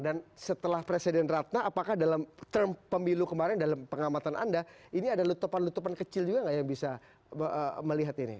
dan setelah presiden ratna apakah dalam term pemilu kemarin dalam pengamatan anda ini ada lutupan lutupan kecil juga nggak yang bisa berubah